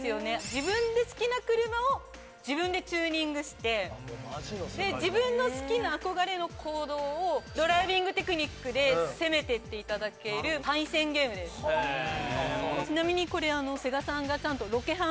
自分で好きな車を自分でチューニングしてで自分の好きな憧れの公道をドライビングテクニックで攻めていっていただける対戦ゲームです・へえ・ええ！